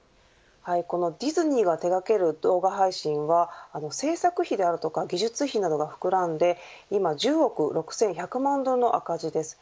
このディズニーが手掛ける動画配信は制作費であるとか技術費などが膨らんで今、１０億６１００万ドルの赤字です。